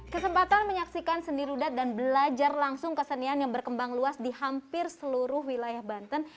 kesempatan menyaksikan seni rudat dan belajar langsung kesenian yang berkembang luas di hampir seluruh wilayah banten